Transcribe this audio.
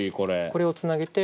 これをつなげて。